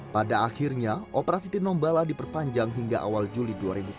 pada akhirnya operasi tinombala diperpanjang hingga awal juli dua ribu tujuh belas